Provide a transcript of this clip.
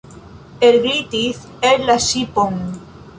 Elglitis el la ŝipon.